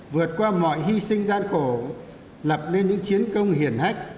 vượt qua mọi hy sinh gian khổ lập nên những chiến công hiển hách